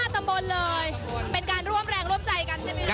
ตำบลเลยเป็นการร่วมแรงร่วมใจกันใช่ไหมคะ